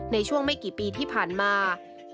ในช่วงไม่กี่ปีที่ผ่านมา